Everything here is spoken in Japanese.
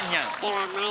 はい。